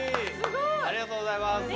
ありがとうございます。